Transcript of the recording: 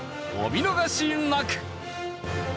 お見逃しなく！